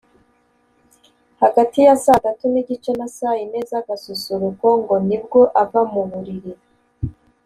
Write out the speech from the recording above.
Hagati ya saa tatu n’igice na saa yine z’agasusuruko ngo ni bwo ava mu buriri